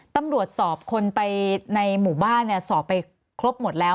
ตำรวจสอบคนไปในหมู่บ้านสอบไปครบหมดแล้ว